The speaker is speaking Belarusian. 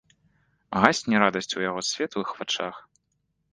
Гасне радасць у яго светлых вачах.